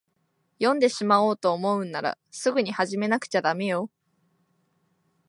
読んでしまおうと思うんなら、すぐに始めなくちゃだめよ。